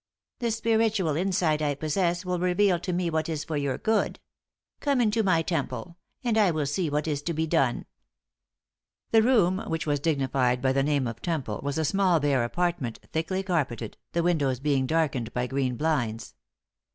The spiritual insight I possess will reveal to me what is for your good. Come into my temple, and I will see what is to be done." The room which was dignified by the name of temple was a small bare apartment thickly carpeted, the windows being darkened by green blinds.